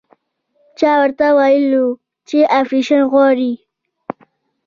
چا ورته ويلي وو چې اپرېشن غواړي.